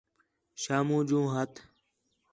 شامو جوں ہتھ